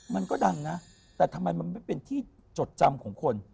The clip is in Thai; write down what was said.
มันก็ดังนะแต่ทำไมมันไม่เป็นที่จดจำของคน